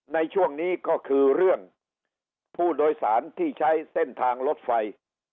ในช่วงนี้ก็คือเรื่องผู้โดยสารที่ใช้เส้นทางรถไฟ